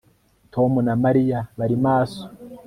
tom na mariya bari maso